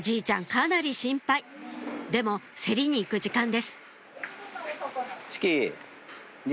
かなり心配でも競りに行く時間です志葵じ